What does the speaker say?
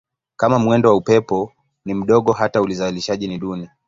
Kama mwendo wa upepo ni mdogo hata uzalishaji ni duni.